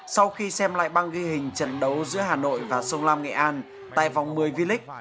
sau khi xem lại băng ghi hình trận đấu giữa hà nội và sông lam nghệ an tại vòng một mươi v leage